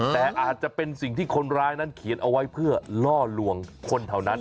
แต่อาจจะเป็นสิ่งที่คนร้ายนั้นเขียนเอาไว้เพื่อล่อลวงคนเท่านั้น